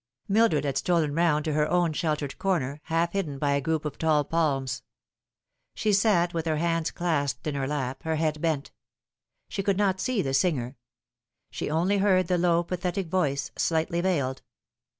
Mildred had stolen round to her own sheltered corner, halt hidden by a group of tall palms. She sat with her hands clasped in her lap, her head bent. She could not see the singer. She only heard the low pathetic voice, slightly veiled.